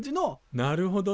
なるほどね！